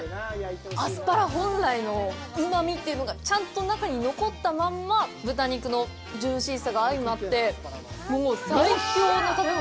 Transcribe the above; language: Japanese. アスパラ本来のうまみというのがちゃんと中に残ったまんま豚肉のジューシーさが相まってもう最強の食べ物。